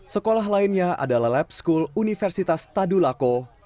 sekolah lainnya adalah laebskul universitas tadulako